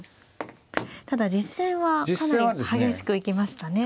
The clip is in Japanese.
ただ実戦はかなり激しく行きましたね。